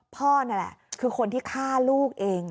พ่อนั่นแหละคือคนที่ฆ่าลูกเอง